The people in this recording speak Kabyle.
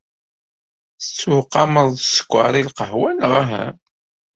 Tettuqameḍ sskeṛ i lqahwa neƔ ahaa?